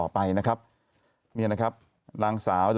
ไปเสียค่าปรับสองพันบาท